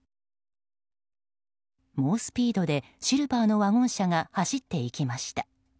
猛スピードでシルバーのワゴン車が走っていきました。